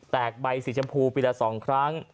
แตกใบสีชมพูปีละสองครั้ง